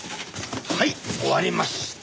はい終わりました！